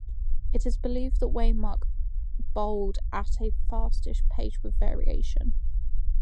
It is believed that Waymark bowled at a fastish pace with variations.